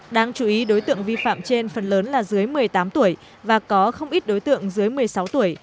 đáng chú ý đối tượng vi phạm trên phần lớn là dưới một mươi tám tuổi và có không ít đối tượng dưới một mươi sáu tuổi